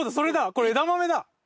これ枝豆だ！